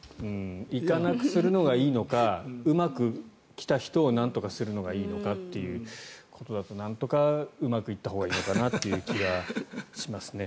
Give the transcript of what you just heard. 行かなくするのがいいのかうまく来た人をなんとかするのがいいのかなんとかうまくいったほうがいいのかなという気はしますね。